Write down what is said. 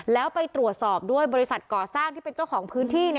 แล้วไปตรวจสอบด้วยบริษัทก่อสร้างที่เป็นเจ้าของพื้นที่